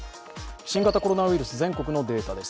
新型コロナウイルス、全国のデータです。